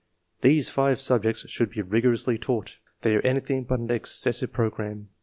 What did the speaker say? These five subjects should be rigorously taught. They are anjrthing but an excessive programme, and IV.